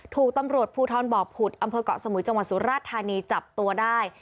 ถูกตำรวจผู้ท้อนบอกผุดอเกาะสมุยจังหวัดสุรรัตนีจับตัวได้